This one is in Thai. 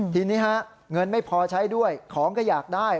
ทีนี้ฮะเงินไม่พอใช้ด้วยของก็อยากได้